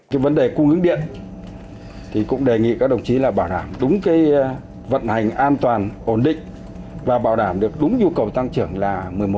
cái vấn đề cung ứng điện thì cũng đề nghị các đồng chí là bảo đảm đúng cái vận hành an toàn ổn định và bảo đảm được đúng nhu cầu tăng trưởng là một mươi một